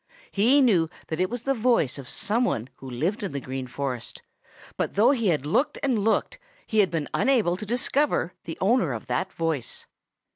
He knew that it was the voice of some one who lived in the Green Forest, but though he had looked and looked he had been unable to discover the owner of that voice.